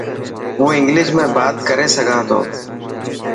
هون انگلش ۾ بات ڪري سگھان ٿو.